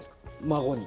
孫に。